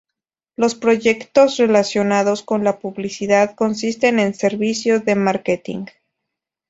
Los proyectos relacionados con la publicidad consisten en servicios de marketing.